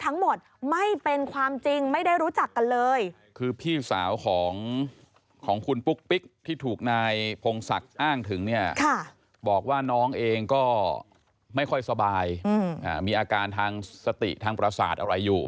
นายพงศักดิ์อ้างถึงเนี่ยบอกว่าน้องเองก็ไม่ค่อยสบายมีอาการทางสติทางประสาทอะไรอยู่